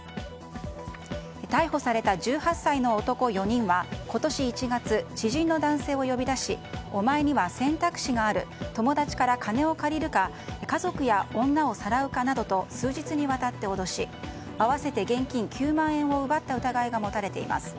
逮捕された１８歳の男４人は今年１月、知人の男性を呼び出しお前には選択肢がある友達から金を借りるか家族や女をさらうかなど数日にわたって脅し合わせて現金９万円を奪った疑いが持たれています。